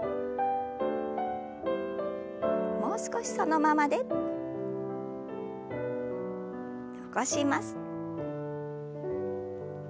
もう少しそのままで。起こします。